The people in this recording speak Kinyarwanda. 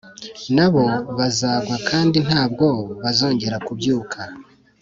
Na bo bazagwa kandi ntabwo bazongera kubyuka.”